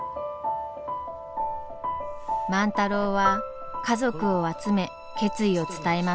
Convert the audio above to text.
万太郎は家族を集め決意を伝えます。